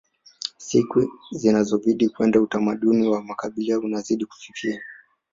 siku zinavyozidi kwenda utamaduni wa makabila unazidi kufifia